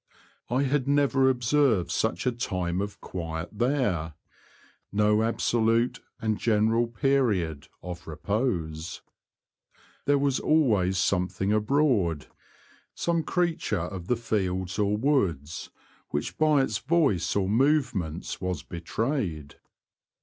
I had never ob served such a time of quiet there ; no absolute and general period of repose. There was. The Confessions of a T^oacher. 21 always something abroad, some creature of the fields or woods, which by its voice or move ments was betrayed.